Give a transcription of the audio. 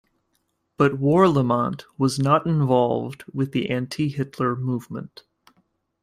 But Warlimont was not involved with the anti-Hitler movement.